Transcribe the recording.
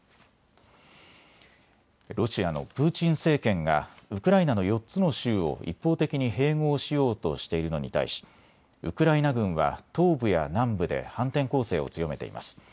ロシアのプーチン政権がウクライナの４つの州を一方的に併合しようとしているのに対しウクライナ軍は東部や南部で反転攻勢を強めています。